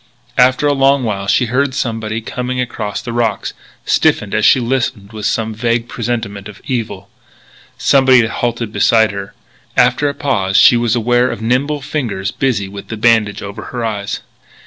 After a long while she heard somebody coming across the rocks, stiffened as she listened with some vague presentiment of evil. Somebody had halted beside her. After a pause she was aware of nimble fingers busy with the bandage over her eyes.